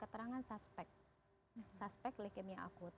keterangan suspek suspek leukemia akut